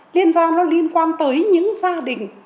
liên gia nó liên quan tới những gia đình